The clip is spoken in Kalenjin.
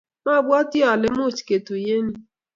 mabwatii ale much ketuyen yu.